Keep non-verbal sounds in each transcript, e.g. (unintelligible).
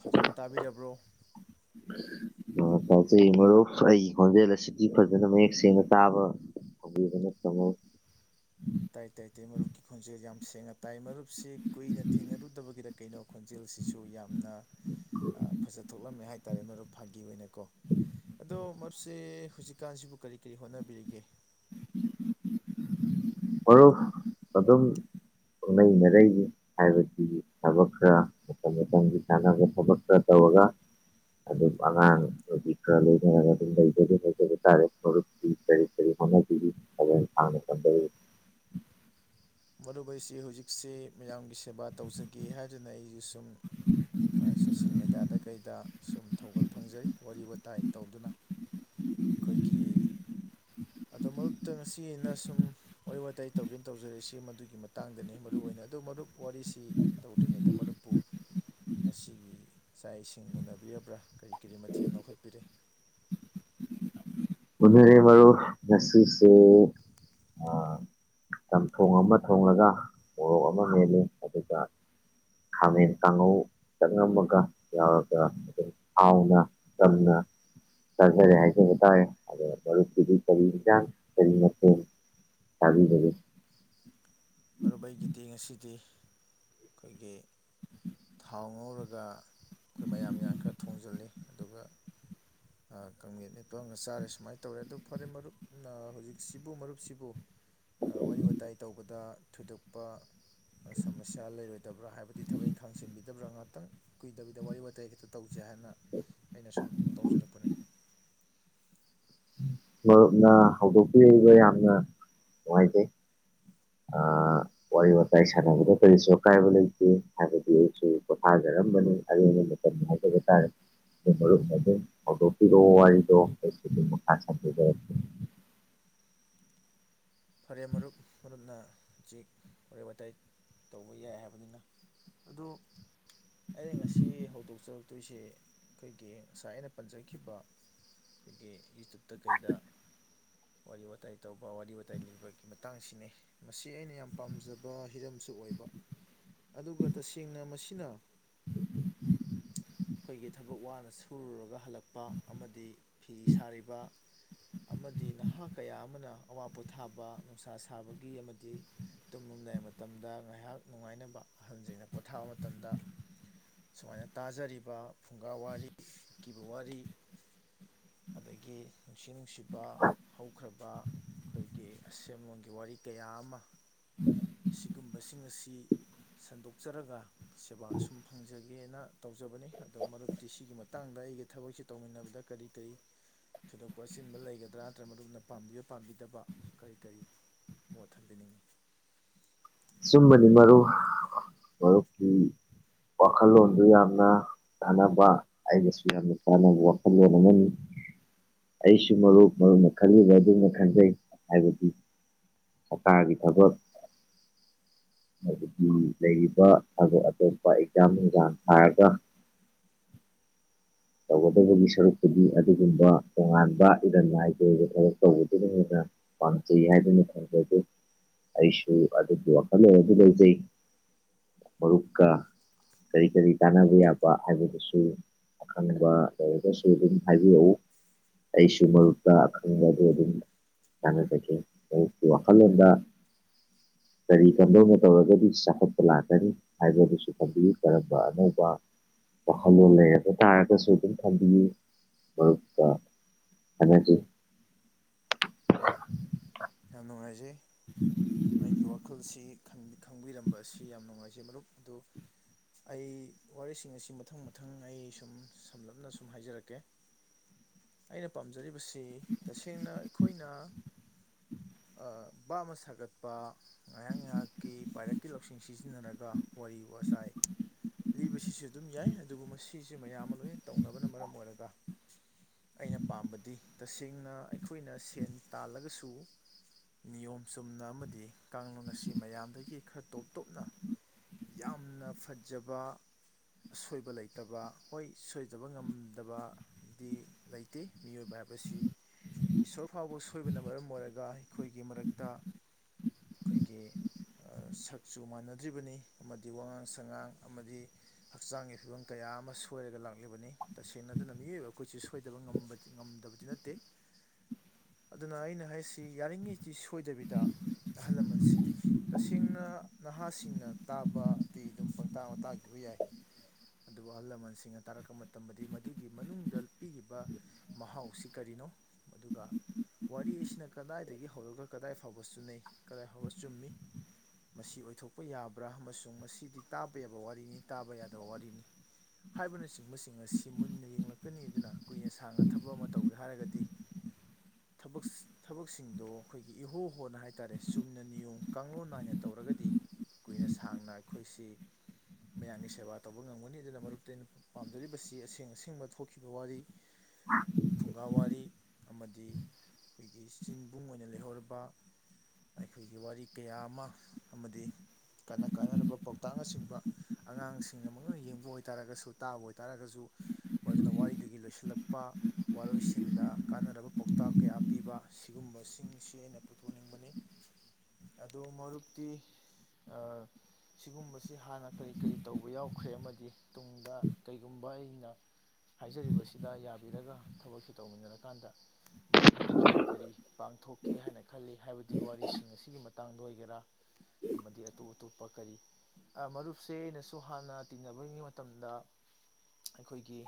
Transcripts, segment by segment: ꯐꯖꯟꯅ ꯇꯥꯕꯤꯔꯕ꯭ꯔꯣ ꯇꯥꯖꯩ ꯃꯔꯨꯞ ꯑꯩꯒꯤ ꯈꯣꯟꯖꯦꯜ ꯑꯁꯤꯗꯤ ꯐꯖꯟꯅ ꯃꯌꯦꯛ ꯁꯦꯡꯅ ꯇꯥꯕ꯭ꯔꯣ ꯇꯥꯏ ꯇꯥꯏ ꯇꯥꯏ ꯃꯔꯨꯞꯀꯤ ꯈꯣꯟꯖꯦꯜ ꯌꯥꯝ ꯁꯦꯡꯅ ꯇꯥꯏ ꯃꯔꯨꯞꯁꯤ ꯀꯨꯏꯅ ꯊꯦꯡꯅꯔꯨꯗꯕꯒꯤꯔ ꯀꯩꯅꯣ ꯈꯣꯟꯖꯦꯜꯁꯤꯁꯨ ꯌꯥꯝꯅ ꯐꯖ ꯊꯣꯛꯂꯝꯃꯦ ꯍꯥꯏ ꯇꯔꯦ ꯃꯔꯨꯞ ꯐꯥꯒꯤ ꯑꯣꯏꯅꯀꯣ ꯑꯗꯣ ꯃꯔꯨꯞꯁꯦ ꯍꯧꯖꯤꯛꯀꯥꯟꯁꯤꯕꯨ ꯀꯔꯤ ꯀꯔꯤ ꯍꯣꯠꯅꯕꯤꯔꯤꯒꯦ ꯃꯔꯨꯞ ꯑꯗꯨꯝ ꯄꯨꯡꯅꯩꯅꯔꯩꯅꯤ ꯍꯥꯏꯕꯗꯤ ꯊꯕꯛ ꯈꯔ ꯃꯇꯝ ꯃꯇꯝꯒꯤ ꯆꯥꯟꯅꯕ ꯊꯕꯛ ꯈꯔ ꯇꯧꯔꯒ ꯑꯗꯨꯝ ꯑꯉꯥꯡ ꯍꯧꯖꯤꯛ ꯈꯔ ꯂꯣꯏꯅꯔꯒ ꯑꯗꯨꯝ ꯂꯩꯖꯕ ꯇꯔꯦ ꯃꯔꯨꯞꯇꯤ ꯀꯔꯤ ꯀꯔꯤ ꯍꯣꯠꯅꯕꯤꯔꯤ ꯀꯣꯂꯦꯖ ꯁꯥꯡꯅ ꯇꯝꯗꯔꯤꯕ ꯃꯔꯨꯞ ꯑꯩꯁꯦ ꯍꯧꯖꯤꯛꯁꯤ ꯃꯌꯥꯝꯒꯤ ꯁꯦꯕꯥ ꯇꯧꯖꯒꯦ ꯍꯥꯏꯗꯨꯅ ꯑꯩꯁꯦ ꯁꯨꯝ ꯁꯣꯁꯦꯜ ꯃꯦꯗꯤꯌꯥꯗ ꯀꯩꯗ ꯁꯨꯝ ꯊꯧꯒꯜ ꯐꯪꯖꯔꯤ ꯋꯥꯔꯤ ꯋꯇꯥꯏ ꯇꯧꯗꯨꯅ ꯑꯩꯈꯣꯏꯒꯤ ꯑꯗꯣ ꯃꯔꯛꯇ ꯉꯁꯤ ꯑꯩꯅ ꯁꯨꯝ ꯋꯥꯔꯤ ꯋꯥꯇꯥꯏ ꯇꯧꯒꯦꯅ ꯇꯧꯖꯔꯛꯏꯁꯤ ꯑꯗꯨꯒꯤ ꯃꯇꯥꯡꯗꯅꯤ ꯃꯔꯨꯑꯣꯏ ꯑꯣꯏꯅ ꯑꯗꯣ ꯃꯔꯨꯞ ꯋꯥꯔꯤꯁꯤ ꯇꯧꯗ꯭ꯔꯤꯉꯩꯗ ꯃꯔꯨꯞꯄꯨ ꯉꯁꯤꯒꯤ ꯆꯥꯛ ꯏꯁꯤꯡ ꯎꯅꯕꯤꯔꯕ꯭ꯔꯥ ꯀꯔꯤ ꯀꯔꯤ ꯃꯊꯦꯜ ꯂꯧꯈꯠꯄꯤꯔꯦ ꯎꯅꯔꯦ ꯃꯔꯨꯞ ꯉꯁꯤꯁꯦ ꯆꯝꯊꯣꯡ ꯑꯃ ꯊꯣꯡꯂꯒ ꯃꯣꯔꯣꯛ ꯑꯃ ꯃꯦꯠꯂꯦ ꯑꯗꯨꯒ ꯈꯥꯃꯦꯟ ꯀꯥꯡꯉꯧ ꯆꯪꯉꯝꯃꯒ ꯌꯥꯎꯔꯒ ꯑꯗꯨꯝ ꯍꯥꯎꯅ ꯆꯝꯅ ꯆꯥꯖꯔꯦ ꯍꯥꯏꯖꯕ ꯇꯥꯔꯦ ꯃꯔꯨꯞꯀꯤꯗꯤ ꯀꯩ ꯍꯦꯟꯖꯥꯡ ꯀꯔꯤ ꯃꯊꯦꯜ ꯆꯕꯤꯔꯒꯦ ꯃꯔꯨꯞ ꯑꯩꯒꯤꯗꯤ ꯉꯁꯤꯗꯤ ꯑꯩꯈꯣꯏꯒꯤ ꯊꯥꯎ ꯉꯧꯔꯒ ꯑꯩꯈꯣꯏ ꯃꯌꯥꯟ ꯃꯌꯥꯟ ꯈꯔ ꯊꯣꯡꯖꯤꯜꯂꯤ ꯑꯗꯨꯒ ꯀꯥꯡꯃꯦꯠ ꯃꯦꯠꯄ ꯑꯝꯒ ꯆꯥꯔꯦ ꯁꯨꯃꯥꯏꯅ ꯇꯧꯔꯦ ꯑꯗꯨ ꯐꯔꯦ ꯃꯔꯨꯞꯅ ꯍꯧꯖꯤꯛꯁꯤꯕꯨ ꯃꯔꯨꯞꯁꯤꯕꯨ ꯋꯥꯔꯤ ꯋꯥꯇꯥꯏ ꯇꯧꯕꯗ ꯊꯣꯏꯗꯣꯛꯄ ꯁꯃꯁ꯭ꯌꯥ ꯂꯩꯔꯣꯏꯗꯕ꯭ꯔꯥ ꯍꯥꯏꯕꯗꯤ ꯊꯕꯛ ꯏꯪꯈꯥꯡ ꯆꯤꯟꯕꯤꯗꯕ꯭ꯔꯥ ꯈꯤꯇꯪ ꯀꯨꯏꯗꯕꯤꯗ ꯋꯥꯔꯤ ꯋꯇꯥꯏ ꯈꯤꯇ ꯇꯧꯖꯦ ꯍꯥꯏꯅ ꯑꯩꯅ ꯁꯨꯝ ꯇꯧꯖꯔꯛꯄꯅꯤ ꯃꯔꯨꯞꯅ ꯍꯧꯗꯣꯛꯄꯤꯔꯛꯏꯕ ꯌꯥꯝꯅ ꯅꯨꯡꯉꯥꯏꯖꯩ ꯋꯥꯔꯤ ꯋꯥꯇꯥꯏ ꯁꯥꯟꯅꯕꯗ ꯀꯔꯤꯁꯨ ꯑꯀꯥꯏꯕ ꯂꯩꯇꯦ ꯍꯥꯏꯕꯗꯤ ꯁꯨ ꯄꯣꯊꯥꯖꯔꯝꯕꯅꯤ ꯑ ꯑꯩꯅꯂꯅꯤ ꯃꯇꯝ ꯍꯥꯏꯖꯕ ꯇꯥꯔꯦ ꯑꯩꯈꯣꯏ ꯃꯔꯨꯄꯅꯥ ꯑꯗꯨꯝ ꯍꯧꯗꯣꯛꯄꯤꯔꯛꯑꯣ ꯋꯥꯔꯤꯗꯣ ꯑꯩꯁꯨ ꯑꯗꯨꯝ ꯃꯈꯥ ꯁꯥꯃꯗꯥꯖꯔꯛꯀꯦ ꯐꯔꯦ ꯃꯔꯨꯞ ꯃꯔꯨꯞꯅ ꯍꯧꯖꯤꯛ ꯋꯥꯔꯤ ꯋꯇꯏ ꯇꯧꯕ ꯌꯥꯏ ꯍꯥꯏꯕꯅꯤꯅ ꯑꯗꯨ ꯑꯩꯅ ꯉꯁꯤ ꯍꯧꯗꯣꯛꯆꯔꯛꯇꯣꯏꯁꯤ ꯑꯩꯈꯣꯏꯒꯤ ꯉꯁꯥꯏ ꯑꯩꯅ ꯄꯟꯖꯈꯤꯕ ꯑꯩꯈꯣꯏꯒꯤ ꯌꯨꯇꯨꯞꯇ ꯀꯩꯗ ꯋꯥꯔꯤ ꯋꯥꯥꯏ ꯇꯧꯕ ꯋꯥꯔꯤ ꯇꯜꯂꯤꯕꯒꯤ ꯃꯇꯥꯡꯁꯤꯅꯦ ꯃꯁꯤ ꯑꯩꯅ ꯌꯥꯝ ꯄꯥꯝꯖꯕ ꯍꯤꯔꯝꯁꯨ ꯑꯣꯏꯕ ꯑꯗꯨꯒ ꯇꯁꯦꯡꯅ ꯃꯁꯤꯅ (inaudible) ꯑꯩꯈꯣꯏꯒꯤ ꯊꯕꯛ ꯋꯥꯅ ꯁꯨꯔꯒ ꯍꯜꯂꯛ ꯄ ꯑꯃꯗꯤ ꯐꯤ ꯁꯥꯔꯤꯕ ꯑꯃꯗꯤ ꯅꯍꯥ ꯀꯌꯥ ꯑꯃꯅ ꯑꯋꯥ ꯄꯣꯊꯥꯕ ꯅꯨꯡꯁꯥ ꯁꯥꯕꯒꯤ ꯑꯃꯗꯤ ꯇꯨꯝꯂꯗꯥꯏ ꯃꯇꯝꯗ ꯉꯥꯏꯍꯥꯛ ꯅꯨꯡꯉꯥꯏꯅꯕ ꯑꯍꯜꯁꯤꯡꯅ ꯄꯣꯊꯥꯕ ꯃꯇꯝꯗ ꯁꯨꯃꯥꯏꯅ ꯇꯥꯖꯔꯤꯕ ꯐꯨꯡꯒꯥ ꯋꯥꯔꯤ ꯑꯀꯤꯕ ꯋꯥꯔꯤ ꯑꯗꯒꯤ ꯅꯨꯡꯁꯤ ꯅꯨꯡꯁꯤꯕ ꯍꯧꯈ꯭ꯔꯕ ꯑꯩꯈꯣꯏꯒꯤ ꯑꯁꯦꯝꯂꯣꯟꯒꯤ ꯋꯥꯔꯤ ꯀꯌꯥ ꯑꯃ ꯁꯤꯒꯨꯝꯕꯁꯤꯡ ꯑꯁꯤ ꯁꯟꯗꯣꯛꯆꯔꯒ ꯁꯦꯕꯥ ꯑꯁꯨꯝ ꯐꯪꯖꯒꯦꯅ ꯇꯧꯖꯕꯅꯤ ꯑꯗꯣ ꯃꯔꯨꯞꯇꯤ ꯁꯤꯒꯤ ꯃꯇꯥꯡꯗ ꯑꯩꯒ ꯊꯕꯛꯁꯤꯦ ꯇꯧꯃꯤꯟꯅꯕꯗ ꯀꯔꯤ ꯀꯔꯤ ꯊꯣꯏꯗꯣꯛꯄ ꯑꯁꯤꯤꯟꯕ ꯂꯩꯒꯗ꯭ꯔꯥ ꯅꯠꯇ꯭ꯔꯒ ꯃꯔꯨꯞꯅ ꯄꯥꯝꯕꯤꯕ ꯄꯥꯝꯕꯤꯗꯕ ꯀꯔꯤ ꯀꯔꯤ ꯃꯣꯠ ꯊꯝꯕꯤꯅꯤꯡꯉꯤ ꯑꯨꯝꯕꯗꯤ ꯃꯔꯨ ꯃꯔꯨꯞꯀꯤ ꯋꯥꯈꯜꯂꯣꯟꯗꯨ ꯌꯥꯝꯅ ꯀꯥꯟꯅꯕ ꯑꯩꯅꯁꯨ ꯌꯥꯝꯅ ꯀꯥꯟꯅꯕ ꯋꯥꯈꯜꯂꯣꯟ ꯑꯃꯅꯤ ꯑꯩꯁꯨ ꯃꯔꯨꯞ ꯃꯔꯨꯅ ꯈꯜꯂꯤꯕ ꯑꯗꯨꯅ ꯈꯟꯖꯩ ꯍꯥꯏꯕꯗꯤ ꯀꯣꯇꯥꯒꯤ ꯊꯕꯛ ꯑꯗꯨꯗꯤ ꯂꯩꯔꯤꯕ ꯑꯇꯣꯞ ꯑꯇꯣꯞꯄ ꯑꯦꯛꯖꯥꯝꯁꯤꯡꯒ ꯊꯥꯔꯒ ꯇꯧꯒꯗꯕꯒꯤ ꯁꯔꯨꯛꯇꯄꯨꯗꯤ ꯑꯗꯨꯒꯨꯝꯕ ꯇꯣꯉꯥꯟꯕ ꯏꯔꯝ ꯅꯥꯏꯒꯤ ꯑꯣꯏꯕ ꯊꯕꯛ ꯇꯧꯕꯗꯨꯅ ꯍꯦꯟꯅ ꯄꯥꯝꯖꯩ ꯍꯥꯏꯗꯨꯅ ꯊꯝꯖꯒꯦ ꯑꯩꯁꯨ ꯑꯗꯨꯒꯤ ꯋꯥꯈꯜꯂꯣꯟ ꯑꯗꯨ ꯂꯧꯖꯩ ꯃꯔꯨꯞꯀ ꯀꯔꯤ ꯀꯔꯤ ꯇꯥꯟꯅꯕ ꯌꯥꯕ ꯍꯥꯏꯕꯗꯨꯁꯨ ꯑꯈꯪꯕ ꯂꯩꯔꯒꯁꯨ ꯑꯗꯨꯝ ꯍꯥꯏꯕꯤꯔꯛꯎ ꯑꯩꯁꯨ ꯃꯔꯨꯞꯇ ꯑꯈꯪꯕꯗ ꯑꯗꯨꯝ ꯇꯥꯟꯅꯖꯒꯦ ꯑꯨꯛꯀꯤ ꯋꯥꯈꯜꯂꯣꯟꯗ ꯀꯔꯤ ꯀꯝꯕꯧꯅ ꯇꯧꯔꯒꯗꯤ ꯆꯥꯎꯈꯠꯄ ꯂꯥꯛꯀꯅꯤ ꯍꯥꯏꯕꯗꯨꯁꯨ ꯈꯝꯕꯤꯌꯨ ꯀꯔꯝꯕ ꯑꯅꯧꯕ ꯋꯥꯈꯜꯂꯣꯟ ꯂꯩꯔꯒꯣ ꯇꯥꯔꯒꯁꯨ ꯑꯗꯨꯝ ꯊꯝꯕꯤꯌꯨ ꯃꯔ ꯈꯟꯅꯔꯤ ꯌꯥꯝ ꯅꯨꯡꯉꯥꯏꯖꯩ ꯑꯩ ꯒꯤ ꯋꯥ ꯈꯨꯜꯁꯤ ꯈꯪꯕꯤꯔꯝꯕ ꯑꯁꯤ ꯌꯥꯝ ꯅꯨꯡꯉꯥꯏꯖꯩ ꯃꯔꯨꯞ ꯑꯗꯨ ꯑꯩ ꯋꯥꯔꯤꯁꯤꯡ ꯑꯁꯤ ꯃꯊꯪ ꯃꯊꯪ ꯑꯩ ꯁꯨꯝ ꯁꯝꯂꯞꯅ ꯁꯨꯝ ꯍꯥꯏꯖꯔꯛꯀꯦ ꯑꯩꯅ ꯄꯥꯝꯖꯔꯤꯕꯁꯤ ꯇꯁꯦꯡꯅ ꯑꯩꯈꯣꯏꯅ ꯚꯥꯞ ꯑꯃ ꯁꯥꯒꯠꯄ ꯉꯥꯏꯍꯥꯛ ꯉꯥꯏꯍꯥꯛꯀꯤ ꯄꯥꯏꯔꯛꯀꯤ ꯂꯧꯁꯤꯡ ꯁꯤꯖꯤꯟꯅꯔꯒ ꯋꯥꯔꯤ ꯋꯥꯇꯥꯏ ꯂꯤꯕꯁꯤꯁꯨ ꯑꯗꯨꯝ ꯌꯥꯏ ꯑꯗꯨꯕꯨ ꯃꯁꯤꯁꯦ ꯃꯌꯥꯝ ꯑꯃ ꯂꯣꯏꯅ ꯇꯧꯅꯕꯅ ꯃꯔꯝ ꯑꯣꯏꯔꯒ ꯑꯩꯅ ꯄꯥꯝꯕꯗꯤ ꯇꯁꯦꯡꯅ ꯑꯩꯈꯣꯏꯅ ꯁꯦꯟ ꯇꯥꯜꯂꯒꯁꯨ ꯅꯤꯌꯣꯝ ꯆꯨꯝꯅ ꯑꯃꯗꯤ ꯀꯥꯡꯂꯣꯟ ꯑꯁꯤ ꯃꯌꯥꯝꯗꯒꯤ ꯈꯔ ꯇꯣꯞ ꯇꯣꯞꯅ ꯌꯥꯝꯅ ꯐꯖꯕ ꯑꯁꯣꯏꯕ ꯂꯩꯇꯕ ꯍꯣꯏ ꯁꯣꯏꯖꯕ ꯉꯝꯗꯕ ꯗꯤ ꯂꯩꯇꯦ ꯃꯤꯑꯣꯏꯕ ꯍꯥꯏꯕꯁꯤ ꯏꯁꯣꯔ ꯐꯥꯎꯕ ꯁꯣꯏꯕꯅ ꯃꯔꯝ ꯑꯣꯏꯔꯒ ꯑꯩꯈꯣꯏꯒꯤ ꯃꯔꯛꯇ ꯑꯩꯈꯣꯏꯒꯤ ꯁꯛꯁꯨꯨ ꯃꯥꯟꯅꯗ꯭ꯔꯤꯕꯅꯤ ꯑꯃꯗꯤ ꯋꯥꯉꯥꯡ ꯁꯉꯥꯡ ꯑꯃꯗꯤ ꯍꯛꯆꯥꯡꯒꯤ ꯐꯤꯕꯝ ꯀꯌꯥ ꯑꯃ ꯁꯣꯏꯔꯒ ꯂꯥꯛꯂꯤꯕꯅꯤ ꯇꯁꯦꯡꯅ ꯑꯗꯨꯅ ꯃꯤꯑꯣꯏꯕ ꯑꯩꯈꯣꯏꯁꯨ ꯁꯣꯏꯗꯕ ꯉꯝꯗꯕꯗꯤ ꯅꯠꯇꯦ ꯑꯗꯨꯅ ꯑꯩꯅ ꯍꯥꯏꯁ ꯁꯤ ꯌꯥꯔꯤꯉꯩꯁꯤ ꯁꯣꯏꯗꯕꯤꯗ ꯑꯍꯜ ꯂꯃꯟꯁꯤꯡ ꯇꯁꯦꯡꯅ ꯅꯍꯥꯁꯤꯡꯅ ꯇꯥꯕꯗꯤ ꯑꯗꯨꯝ ꯄꯪꯇꯥ ꯉꯇꯥꯒꯤꯕ ꯌꯥꯏ ꯑꯗꯨꯕꯨ ꯑꯍꯜ ꯂꯃꯟꯁꯤꯡꯅ ꯇꯥꯔꯛꯄ ꯃꯇꯝꯗꯗꯤ ꯃꯗꯨꯒꯤ ꯃꯅꯨꯡꯗ ꯄꯤꯔꯤꯕ ꯃꯍꯥꯎꯁꯤ ꯀꯔꯤꯅꯣ ꯑꯗꯨꯒ ꯋꯥꯔꯤ ꯑꯁꯤꯅ ꯀꯗꯥꯏꯗꯒꯤ ꯍꯧꯔꯒ ꯀꯗꯥꯏ ꯐꯥꯎꯕ ꯆꯨꯅꯩ ꯀꯗꯥꯏ ꯐꯥꯎꯕ ꯆꯨꯝꯃꯤ ꯃꯁꯤ ꯑꯣꯏꯊꯣꯛꯄ ꯌꯥꯕ꯭ꯔꯥ ꯑꯃꯁꯨꯡ ꯃꯁꯤꯗꯤ ꯇꯥꯕ ꯌꯥꯕ ꯋꯥꯔꯤꯅꯤ ꯇꯥꯕ ꯌꯥꯗꯕ ꯋꯥꯔꯤꯅꯤ ꯍꯥꯏꯕꯅ ꯆꯤꯡꯕꯁꯤꯡ ꯑꯁꯤ ꯃꯨꯟꯅ ꯌꯦꯡꯂꯛꯀꯅꯤ ꯑꯗꯨꯅ ꯀꯨꯏꯅ ꯁꯥꯡꯅ ꯊꯕꯛ ꯑꯃ ꯇꯧꯒꯦ ꯍꯥꯏꯔꯒꯗꯤ ꯊꯕꯛ ꯊꯕꯛꯁꯤꯡꯗꯣ ꯑꯩꯈꯣꯏꯒꯤ ꯏꯍꯣ ꯍꯣꯅ ꯍꯥꯏꯇꯥꯔꯦ ꯆꯨꯝꯅ ꯅꯤꯌꯣꯝ ꯀꯥꯡꯂꯣꯟ ꯅꯥꯏꯅ ꯇꯧꯔꯒꯗꯤ ꯀꯨꯏꯅ ꯁꯥꯡꯅ ꯑꯩꯈꯣꯏꯁꯤ ꯃꯌꯥꯝꯒꯤ ꯁꯦꯕꯥ ꯇꯧꯕ ꯉꯝꯒꯅꯤ ꯑꯗꯨꯅ ꯃꯔꯨꯞꯛꯇ ꯑꯩꯅ ꯄꯥꯝꯖꯔꯤꯕꯁꯤ ꯑꯁꯦꯡ ꯑꯁꯦꯡꯕ ꯊꯣꯛꯈꯤꯕ ꯋꯥꯔꯤ ꯐꯨꯡꯒꯥꯋꯥꯔꯤ ꯑꯃꯗꯤ ꯑꯩꯈꯣꯏꯒꯤ ꯆꯤꯟꯕꯨꯡ ꯑꯣꯏꯅ ꯂꯩꯍꯧꯔꯕ ꯑꯩꯈꯣꯏꯒꯤ ꯋꯥꯔꯤ ꯀꯌꯥ ꯑꯃ ꯑꯃꯗꯤ ꯀꯅ ꯀꯥꯟꯅꯔꯕ ꯄꯥꯎꯇꯥꯛꯅꯆꯤꯡꯕ ꯑꯉꯥꯡꯁꯤꯡꯅꯃꯛ ꯌꯦꯡꯕ ꯑꯣꯏꯇꯥꯥꯔꯒꯁꯨ ꯇꯥꯕ ꯑꯣꯏ ꯇꯥꯔꯒꯁꯨ ꯃꯗꯨꯅ ꯋꯥꯔꯤꯗꯨꯒꯤ ꯂꯣꯏꯁꯤꯜꯂꯛꯄ ꯋꯥꯔꯣꯏꯁꯤꯟꯗ ꯀꯥꯟꯅꯔꯕ ꯄꯥꯎꯇꯥꯛ ꯀꯌꯥ ꯄꯤꯕ ꯁꯤꯒꯨꯝꯕꯁꯤꯡꯁꯤ ꯑꯩꯅ ꯄꯨꯊꯣꯛꯅꯤꯡꯕꯅꯤ ꯑꯗꯨ ꯃꯔꯨꯞꯛꯇꯤ ꯁꯤꯒꯨꯝꯕꯁꯤ ꯍꯥꯟꯅ ꯀꯔꯤ ꯀꯔꯤ ꯇꯧꯕ ꯌꯥꯎꯈ꯭ꯔꯦ ꯑꯃꯗꯤ ꯇꯨꯡꯗ ꯀꯔꯤꯒꯨꯝꯕ ꯑꯩꯅ ꯍꯥꯏꯖꯔꯤꯕꯁꯤꯗ ꯌꯥꯕꯤꯔꯒ ꯊꯕꯛꯁꯤ ꯇꯧꯃꯤꯟꯅꯔꯀꯥꯟꯗ ꯃꯔꯝ ꯑꯗꯨ ꯀꯔꯤ ꯀꯔꯤ ꯄꯥꯡꯊꯣꯛꯀꯦ ꯍꯥꯏꯅ ꯈꯜꯂꯤ ꯍꯥꯏꯕꯗꯤ ꯋꯥꯔꯤꯁꯤꯡ ꯑꯁꯤꯒꯤ ꯃꯇꯥꯡꯗ ꯑꯣꯏꯒꯦꯔꯥ ꯑꯃꯗꯤ ꯑꯇꯣꯞ ꯑꯇꯣꯞꯄ ꯀꯔꯤ ꯃꯔꯨꯞꯁꯦ ꯑꯩꯅꯁꯨ ꯍꯥꯟꯅ ꯇꯤꯟꯅꯕꯔꯤꯉꯩ ꯃꯇꯝꯗ ꯑꯩꯈꯣꯏꯒꯤ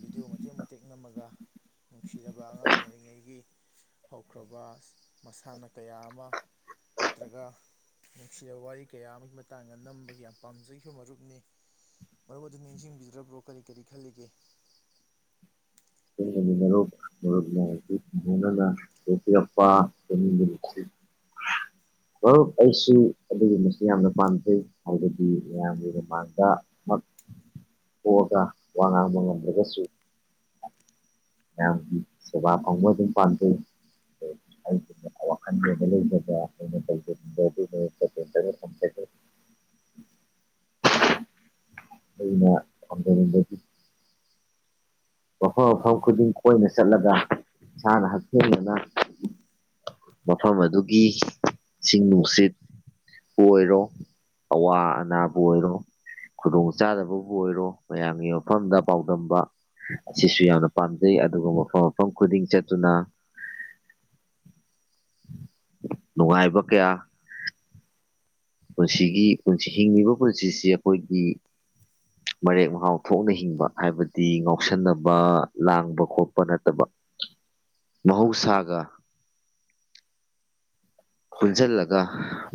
ꯕꯤꯗꯤꯑꯣ ꯃꯇꯦꯛ ꯃꯇꯦꯛ ꯅꯝꯃꯒ ꯅꯨꯡꯁꯤꯔꯕ ꯑꯉꯥꯡ ꯑꯣꯏꯔꯤꯉꯩꯒꯤ ꯍꯧꯈ꯭ꯔꯕ ꯃꯁꯥꯟꯅ ꯀꯌꯥ ꯑꯃ ꯅꯠꯇ꯭ꯔꯒ ꯅꯨꯡꯁꯤꯔꯕ ꯋꯥꯔꯤ ꯀꯌꯥ ꯑꯃꯒꯤ ꯃꯇꯥꯡꯗ ꯅꯝꯕꯒꯤ ꯌꯥꯝ ꯄꯥꯝꯖꯈꯤꯕ ꯃꯔꯨꯞꯅꯤ ꯃꯔꯨꯞ ꯑꯗꯨ ꯅꯤꯡꯁꯤꯡꯕꯤꯗ꯭ꯔꯕ꯭ꯔꯣ ꯀꯔꯤ ꯀꯔꯤ ꯈꯜꯂꯤꯒꯦ (unintelligible) ꯃꯔꯨꯞ ꯑꯩꯁꯨ ꯑꯗꯨꯒꯤꯕ ꯌꯥꯝꯅ ꯄꯥꯝꯖꯩ ꯍꯥꯏꯕꯗꯤ ꯃꯌꯥꯝꯒꯤ ꯃꯃꯥꯡꯗ ꯑꯃ ꯄꯣꯛꯑꯒ ꯋꯥ ꯉꯥꯡꯕ ꯉꯝꯂꯒꯁꯨ ꯃꯌꯥꯝꯒꯤ ꯁꯦꯕꯥ ꯐꯡꯕꯥ ꯑꯗꯨꯝ ꯄꯥꯝꯖꯩ ꯑꯩꯒꯨꯝꯅ ꯋꯥꯀꯜ ꯒꯤ ꯑꯃꯥ ꯂꯩꯖꯕ ꯑꯩꯅꯥ ꯇꯧꯖꯅꯤꯡꯕ ꯑꯦꯗꯨꯏ ꯃꯌꯦꯛꯇꯥ ꯀꯨꯟꯠꯔꯦꯠ ꯀꯨꯟꯇꯔꯦꯠ ꯑꯩꯅꯥ ꯐꯉꯖꯅꯤꯡ ꯕꯒꯤ ꯃꯐꯝ ꯃꯐꯝ ꯈꯨꯗꯤꯡ ꯀꯣꯏꯅ ꯆꯠꯂꯒ ꯏꯁꯥꯅ ꯍꯛꯊꯦꯡꯅꯅ ꯃꯐꯝ ꯑꯗꯨꯒꯤ ꯏꯁꯤꯡ ꯅꯨꯡꯁꯤꯠꯄ ꯑꯣꯏꯔꯣ ꯑꯋꯥ ꯑꯅꯥꯕꯨ ꯑꯣꯏꯔꯣ ꯈꯨꯗꯣꯡ ꯆꯥꯗꯕꯕꯨ ꯑꯣꯏꯔꯣ ꯃꯌꯥꯝꯒꯤ ꯃꯐꯝꯗ ꯄꯥꯎꯗꯝꯝꯕ ꯑꯁꯤꯁꯨ ꯌꯥꯝꯅ ꯄꯥꯝꯖꯩ ꯑꯗꯨꯒ ꯃꯐꯝ ꯃꯐꯝ ꯈꯨꯗꯤꯡ ꯆꯠꯇꯨꯅ ꯅꯨꯡꯉꯥꯏꯕ ꯀꯌꯥ ꯄꯨꯟꯁꯤꯒꯤ ꯄꯨꯁꯤ ꯍꯤꯡꯉꯤꯕ ꯄꯨꯟꯁꯤꯁꯤ ꯑꯩꯈꯣꯏꯒꯤ ꯃꯔꯦꯛ ꯃꯍꯥꯎ ꯊꯣꯛꯅ ꯍꯤꯡꯕ ꯍꯥꯏꯕꯗꯤ ꯉꯥꯎꯁꯟꯅꯕ ꯂꯥꯡꯕ ꯈꯣꯠꯄ ꯅꯠꯇꯕ ꯃꯍꯧꯁꯥꯒ ꯄꯨꯟꯁꯤꯜꯂꯒ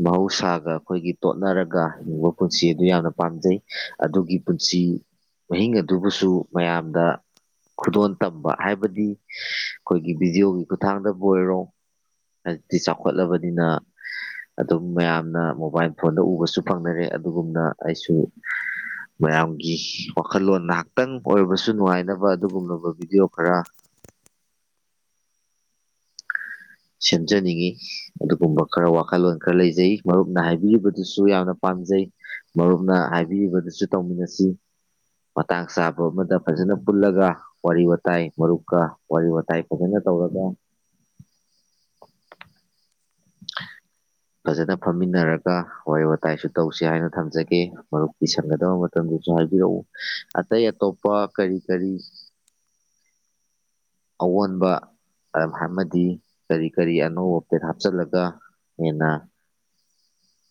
ꯃꯍꯧꯁꯥꯒ ꯑꯩꯈꯣꯏꯒꯤ ꯇꯣꯠꯅꯔꯒ ꯍꯤꯡꯕ ꯄꯨꯟꯁꯤ ꯑꯗꯨ ꯌꯥꯝꯅ ꯄꯥꯝꯖꯩ ꯑꯗꯨꯒꯤ ꯄꯨꯟꯁꯤ ꯃꯍꯤꯡ ꯑꯗꯨꯕꯨꯁꯨ ꯃꯌꯥꯝꯗ ꯈꯨꯗꯣꯟ ꯇꯝꯕ ꯍꯥꯏꯕꯗꯤ ꯑꯩꯈꯣꯏꯒꯤ ꯚꯕꯤꯗꯤꯑꯣꯒꯤ ꯈꯨꯠꯊꯥꯡꯗꯕꯨ ꯑꯣꯏꯔꯣ ꯍꯥꯏꯖꯤꯛꯇꯤ ꯆꯥꯎꯈꯠ ꯈꯣꯠꯂꯕꯅꯤꯅ ꯑꯗꯨꯝ ꯃꯌꯥꯝꯅ ꯃꯣꯕꯥꯏꯜ ꯐꯣꯟꯗ ꯎꯕꯁꯨ ꯐꯪꯅꯔꯦ ꯑꯗꯨꯒꯨꯝꯅ ꯑꯩꯁꯨ ꯃꯌꯥꯝꯒꯤ ꯋꯥꯈꯜꯂꯣꯟ ꯉꯥꯏꯍꯥꯛꯇꯪ ꯑꯣꯏꯔꯕꯁꯨ ꯅꯨꯡꯉꯥꯏꯅꯕ ꯑꯗꯨꯒꯨꯝꯂꯕ ꯚꯤꯗꯤꯑꯣ ꯈꯔ ꯁꯦꯝꯖꯅꯤꯡꯉꯤ ꯑꯗꯨꯒꯨꯝꯕ ꯈꯔ ꯋꯥꯈꯜꯂꯣꯟ ꯈꯔ ꯂꯩꯖꯩ ꯃꯔꯨꯞꯅ ꯍꯥꯏꯕꯤꯔꯤꯕꯗꯨꯁꯨ ꯌꯥꯝꯅ ꯄꯥꯝꯖꯩ ꯃꯔꯨꯞꯅ ꯍꯥꯏꯕꯤꯔꯤꯕꯗꯨꯁꯨ ꯇꯧꯃꯤꯟꯅꯁꯤ ꯃꯇꯥꯡ ꯆꯥꯕ ꯑꯃꯗ ꯐꯖꯅ ꯄꯨꯜꯂꯒ ꯋꯥꯔꯤ ꯋꯥꯇꯥꯏ ꯃꯔꯨꯞꯀ ꯋꯥꯔꯤ ꯋꯥꯇꯥꯏ ꯐꯖꯅ ꯇꯧꯔꯒ ꯐꯖꯅ ꯐꯝꯃꯤꯟꯅꯔꯒ ꯋꯥꯔꯤ ꯋꯥꯇꯥꯏꯁꯨ ꯇꯧꯁꯤ ꯍꯥꯏꯅ ꯊꯝꯖꯒꯦ ꯃꯔꯨꯞꯀꯤ ꯁꯟꯒꯗꯕ ꯃꯇꯝꯗꯁꯨ ꯍꯥꯏꯕꯤꯔꯛꯎ ꯑꯇꯩ ꯑꯇꯣꯞꯄ ꯀꯔꯤ ꯀꯔꯤ ꯑꯑꯣꯟꯕ ꯑꯃꯗꯤ ꯀꯔꯤ ꯀꯔꯤ ꯑꯅꯧꯕ ꯄꯦꯔꯥꯞ ꯆꯠꯂꯒ ꯍꯦꯟꯅ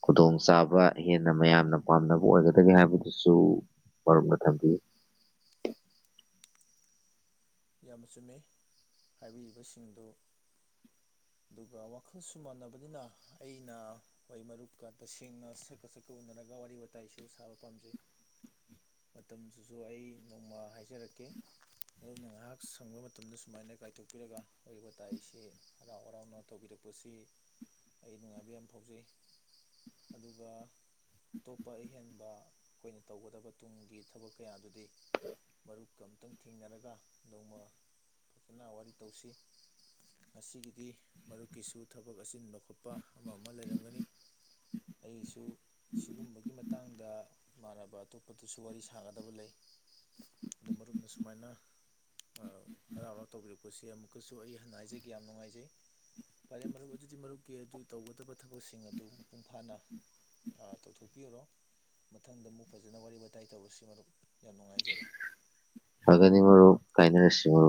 ꯈꯨꯗꯣꯡ ꯆꯥꯕ ꯍꯦꯟꯅ ꯃꯌꯥꯝꯅ ꯄꯥꯝꯅꯕ ꯑꯣꯏꯒꯗꯒꯦ ꯍꯥꯏꯕꯗꯨꯁꯨ ꯋꯥꯔꯨꯝꯝꯗ ꯊꯝꯕꯤꯌꯨ ꯌꯥꯝꯅ ꯆꯨꯝꯃꯦ ꯍꯥꯏꯕꯤꯔꯤꯕꯁꯤꯡꯗꯨ ꯑꯗꯨꯒ ꯋꯥꯈꯜꯁꯨ ꯃꯥꯟꯅꯕꯅꯤꯅ ꯑꯩꯅ ꯋꯥ ꯃꯔꯨꯞ ꯀꯥ ꯇꯁꯦꯡꯅ ꯁꯛꯀ ꯁꯛꯀ ꯎꯅꯔꯒ ꯋꯥꯔꯤ ꯋꯥꯇꯥꯏꯁꯨ ꯁꯥꯕ ꯄꯥꯝꯖꯩ ꯃꯇꯝꯗꯨꯁꯨ ꯑꯩ ꯅꯣꯡꯃ ꯍꯥꯏꯖꯔꯛꯀꯦ ꯑꯗꯨꯅ ꯉꯍꯥꯛ ꯁꯪꯕ ꯃꯇꯝꯗ ꯁꯨꯃꯥꯏꯅ ꯀꯥꯏꯊꯣꯛꯄꯤꯔꯒ ꯋꯥꯔꯤ ꯋꯥꯇꯥꯏꯁꯤ ꯍꯔꯥꯎ ꯍꯔꯥꯎꯅ ꯇꯧꯕꯤꯔꯛꯄꯁꯤ ꯑꯩ ꯅꯨꯡꯉꯥꯏꯕ ꯌꯥꯝ ꯐꯥꯎꯖꯩ ꯑꯗꯨꯒ ꯑꯇꯣꯞꯄ ꯑꯍꯦꯟꯕ ꯑꯩꯈꯣꯏꯅ ꯇꯧꯒꯗꯕ ꯇꯨꯡꯒꯤ ꯊꯕꯛ ꯀꯌꯥꯗꯨꯗꯤ ꯃꯔꯨꯞꯀ ꯑꯝꯇꯪ ꯊꯦꯡꯅꯔꯒ ꯅꯣꯡꯃ ꯐꯖꯅ ꯋꯥꯔꯤ ꯇꯧꯁꯤ ꯉꯁꯤꯒꯤꯗꯤ ꯃꯔꯨꯞꯀꯤꯁꯨ ꯊꯕꯛ ꯑꯆꯤꯟꯕ ꯈꯣꯠꯄ ꯑꯃ ꯑꯃ ꯂꯩꯔꯝꯒꯅꯤ ꯑꯩꯒꯤꯁꯨ ꯁꯤꯒꯨꯝꯕꯒꯤ ꯃꯇꯥꯡꯗ ꯏꯃꯥꯟꯅꯕ ꯑꯇꯣꯞꯄꯗꯁꯨ ꯋꯥꯔꯤ ꯁꯥꯒꯗꯕ ꯂꯩ ꯑ ꯃꯔꯨꯞꯅ ꯁꯨꯃꯥꯏꯅ ꯍꯔꯥꯎ ꯍꯔꯥꯎ ꯇꯧꯕꯤꯔꯛꯄꯁꯦ ꯑꯃꯨꯛꯀꯁꯨ ꯑꯩ ꯍꯟꯅ ꯍꯥꯏꯖꯒꯦ ꯌꯥꯝ ꯅꯨꯡꯉꯥꯏꯖꯩ ꯐꯔꯦ ꯃꯔꯨꯞ ꯑꯗꯨꯗꯤ ꯃꯔꯨꯞꯀꯤ ꯑꯗꯨ ꯇꯧꯒꯗꯕ ꯊꯕꯛꯁꯤꯡ ꯑꯗꯨ ꯃꯄꯨꯡ ꯐꯥꯅ ꯇꯧꯊꯣꯛꯄꯤꯔꯣ ꯃꯊꯪꯗ ꯑꯃꯨꯛ ꯐꯖꯟꯅ ꯋꯥꯔꯤ ꯋꯥꯇꯥꯏ ꯇꯧꯔꯁꯤ ꯃꯔꯨꯞ ꯌꯥꯝ ꯅꯨꯡꯉꯥꯏꯖꯔꯦ ꯀꯥꯏꯅꯔꯁꯤꯔꯣ